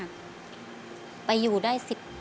ขอบคุณครับ